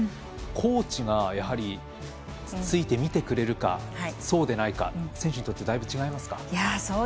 コーチがついて見てくれるかそうでないか、選手にとってだいぶ違いますか。